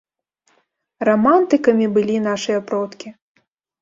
Рамантыкамі былі нашыя продкі!